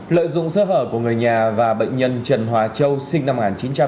lợi dụng sơ hở của người nhà và bệnh nhân trần hòa châu sinh năm một nghìn chín trăm tám mươi